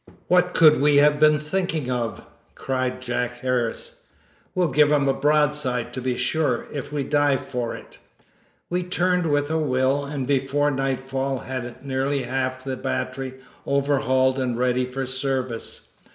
"What could we have been thinking of?" cried Jack Harris. "We'll give 'em a broadside, to be sure, if we die for it!" We turned to with a will, and before nightfall had nearly half the battery overhauled and ready for service.